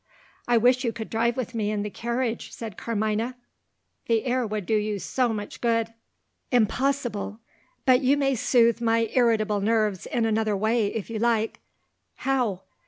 "I wish you could drive with me in the carriage," said Carmina. "The air would do you so much good." "Impossible! But you may soothe my irritable nerves in another way, if you like." "How?"